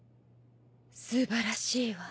・素晴らしいわ。